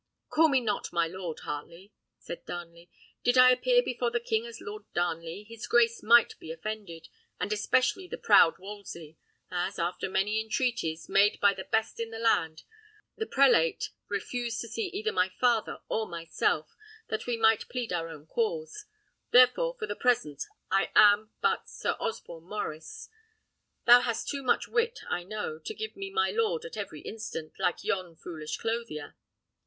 "Call me not my lord, Heartley," said Darnley. "Did I appear before the king as Lord Darnley his grace might be offended, and especially the proud Wolsey; as, after many entreaties, made by the best in the land, the prelate refused to see either my father or myself, that we might plead our own cause; therefore, for the present, I am but Sir Osborne Maurice. Thou hast too much wit I know to give me my lord at every instant, like yon foolish clothier."